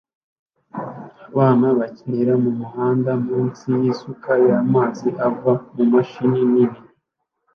Abana bakinira mumuhanda munsi yisuka y'amazi ava mumashini nini